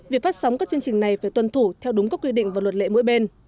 việc phát sóng các chương trình này phải tuân thủ theo đúng các quy định và luật lệ mỗi bên